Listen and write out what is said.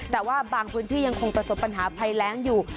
แต่ว่าบางพื้นที่ยังคงประสบปัญหาภัยแรงอยู่